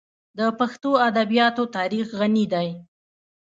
د پښتو ادبیاتو تاریخ غني دی.